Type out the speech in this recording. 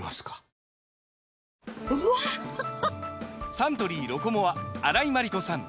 サントリー「ロコモア」荒井眞理子さん